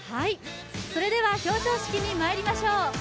それでは表彰式にまいりましょう。